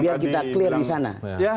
biar kita clear disana